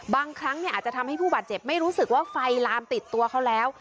บางครั้งอาจจะทำให้ผู้บาดเจ็บไม่รู้สึกว่าไฟลามติดตัวเขาแล้ว